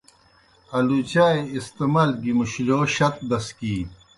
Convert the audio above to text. آلُوچائے استعمال گیْ مُشلِیؤ شت بسکِینیْ۔